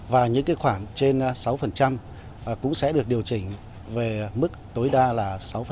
và những khoản trên sáu cũng sẽ được điều chỉnh về mức tối đa là sáu